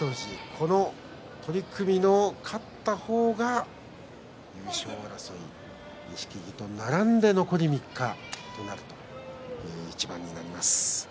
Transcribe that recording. この取組の勝った方が優勝争い錦木と並んで残り３日ということになります。